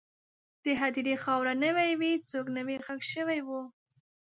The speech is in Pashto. د هدیرې خاوره نوې وه، څوک نوی ښخ شوي وو.